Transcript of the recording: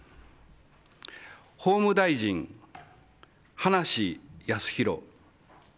法務大臣、葉梨康弘。